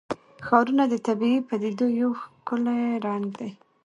ښارونه د طبیعي پدیدو یو ښکلی رنګ دی.